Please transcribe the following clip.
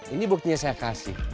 ini buktinya saya kasih